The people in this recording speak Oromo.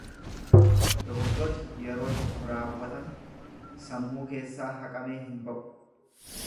Dogoggorri yeroo tokko raawwatame sammuu keessaa haqamee hin ba'u.